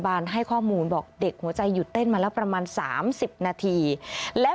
พาพนักงานสอบสวนสนราชบุรณะพาพนักงานสอบสวนสนราชบุรณะ